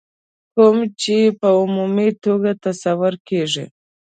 کوم چې په عمومي توګه تصور کېږي.